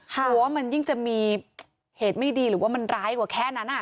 กลัวว่ามันยิ่งจะมีเหตุไม่ดีหรือว่ามันร้ายกว่าแค่นั้น